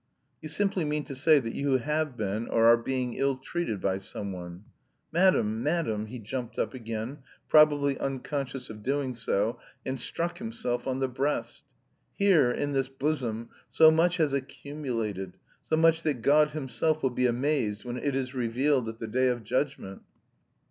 "You simply mean to say that you have been or are being ill treated by someone." "Madam, madam!" He jumped up again, probably unconscious of doing so, and struck himself on the breast. "Here in this bosom so much has accumulated, so much that God Himself will be amazed when it is revealed at the Day of Judgment."